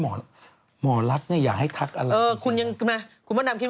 มีโรนหลบหน้าอยู่ช่วงนี้